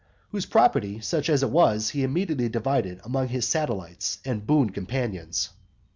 whose property, such as it was, he immediately divided among his satellites and boon companions.